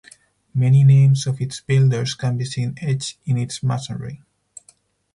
Many names of its builders can be seen etched in its masonry.